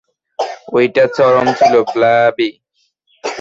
ঐটা চরম ছিলো, ব্লবি।